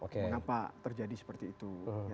mengapa terjadi seperti itu